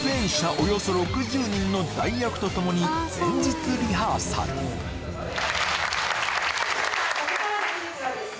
およそ６０人の代役とともに前日リハーサルここからのクイズはですね